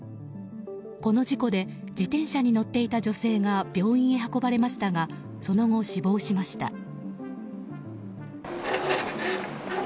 この事故で自転車に乗っていた女性が病院へ運ばれましたがその後、死亡しました。